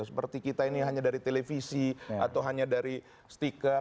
seperti kita ini hanya dari televisi atau hanya dari stiker